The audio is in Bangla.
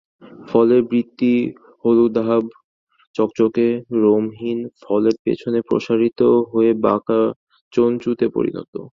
ফলের বৃতি হলুদাভ, চকচকে, রোমহীন, ফলের পেছনে প্রসারিত হয়ে বাঁকা চঞ্চুতে পরিণত।